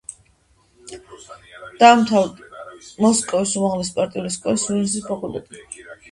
დაამთავრა მოსკოვის უმაღლესი პარტიული სკოლის ჟურნალისტიკის ფაკულტეტი.